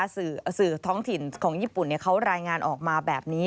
สื่อท้องถิ่นของญี่ปุ่นเขารายงานออกมาแบบนี้